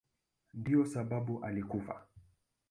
Ndiyo sababu alikufa.